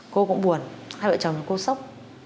cô cũng buồn hai vợ chồng cô sốc